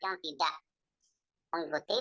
yang tidak mengikuti